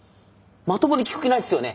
まともに聞く気ないっすよね？